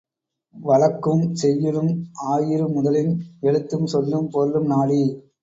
வழக்கும் செய்யுளும் ஆயிரு முதலின் எழுத்தும் சொல்லும் பொருளும் நாடி